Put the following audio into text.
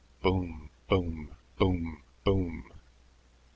Boom, boom, boom, boom.